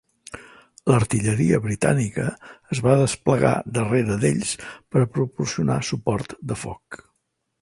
L'artilleria britànica es va desplegar darrere d'ells per a proporcionar suport de foc.